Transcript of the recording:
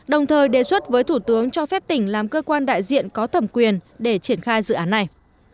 đồng thời đề xuất với thủ tướng cho phép tỉnh làm cơ quan đại diện có thẩm quyền để triển khai dự án này